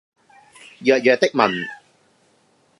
弱弱的問